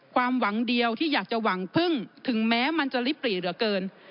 ความหวังเดียวที่อยากจะหวังพึ่งถึงแม้มันจะลิปหรี่เหลือเกิน